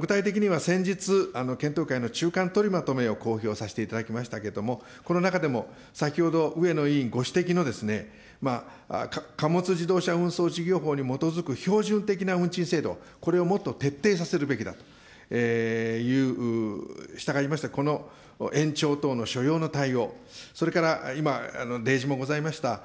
具体的には先日、検討会の中間とりまとめを公表させていただきましたけれども、この中でも、先ほど、上野委員ご指摘の貨物自動車運送事業法に基づく標準的な運賃制度、これをもっと徹底させるべきだという、したがいまして、この延長等の所要の対応、それから今、例示もございました